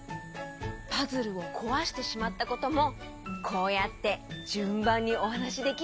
パズルをこわしてしまったこともこうやってじゅんばんにおはなしできる？